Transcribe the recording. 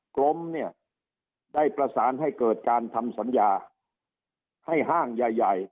กรมเนี่ยได้ประสานให้เกิดการทำสัญญาให้ห้างใหญ่